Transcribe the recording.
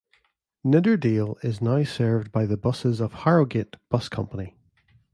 Nidderdale is now served by the buses of Harrogate Bus Company.